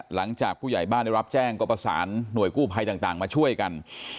หลังจากผู้ใหญ่บ้านได้รับแจ้งก็ประสานหน่วยกู้ภัยต่างมาช่วยกัน